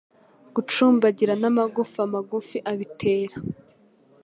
Gucumbagira n'amagufa magufi abitera